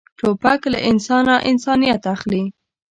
توپک له انسانه انسانیت اخلي.